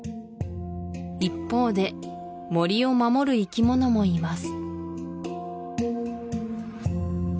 一方で森を守る生き物もいます